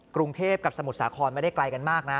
กรุงเทพกับสมุทรสาครไม่ได้ไกลกันมากนะ